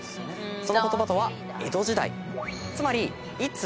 その言葉とは「えどじだい」つまり「いつ？」